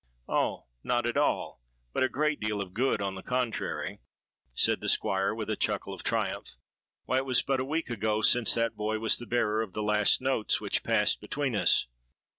'—'Oh! not at all; but a great deal of good, on the contrary,' said the Squire, with a chuckle of triumph. 'Why, it is but a week ago since that boy was the bearer of the last notes which passed between us.'